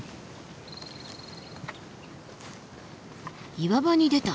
岩場に出た。